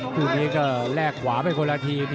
คู่นี้ก็แลกขวาไปคนละทีม